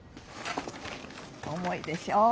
重いでしょ。